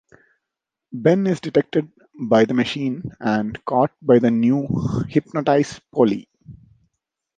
Ben is detected by the Machine, and caught by the now hypnotised Polly.